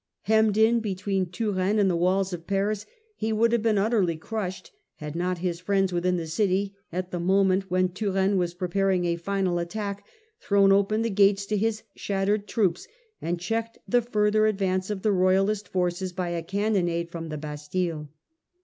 Hemmed in between Turenne and the walls of Paris, he would have been utterly crushed had not his friends within the city, at the moment when Turenne was preparing a final attack, thrown open the gates to his shattered troops, and checked the further advance of the royalist forces by a cannonade from the Bastille.